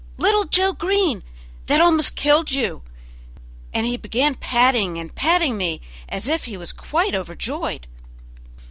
little Joe Green, that almost killed you?" And he began patting and patting me as if he was quite overjoyed.